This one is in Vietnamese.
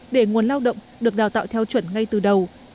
để nguồn lao động được đào tạo theo chuẩn ngay từ đầu